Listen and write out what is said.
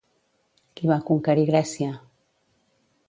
Qui va conquerir Grècia?